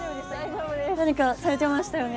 何かされてましたよね？